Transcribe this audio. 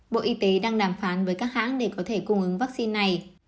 bộ y tế đang đàm phán với các hãng để có thể cung ứng vaccine này